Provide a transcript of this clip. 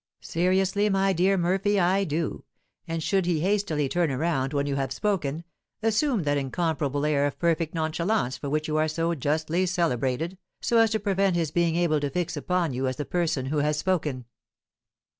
"Seriously, my dear Murphy, I do; and should he hastily turn around when you have spoken, assume that incomparable air of perfect nonchalance for which you are so justly celebrated, so as to prevent his being able to fix upon you as the person who has spoken."